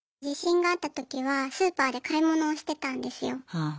地震があった時はスーパーで買い物をしてたんですよ。